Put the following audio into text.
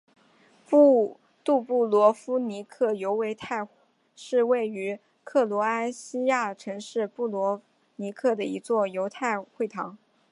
杜布罗夫尼克犹太会堂是位于克罗埃西亚城市杜布罗夫尼克的一座犹太会堂。